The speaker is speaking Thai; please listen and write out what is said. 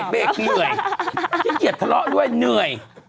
เบรกเหนื่อยขี้เกียจทะเลาะด้วยเหนื่อย